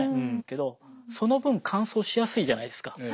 けどその分乾燥しやすいじゃないですか。